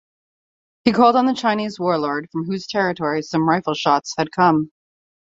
He called on the Chinese warlord from whose territory some rifle shots had come.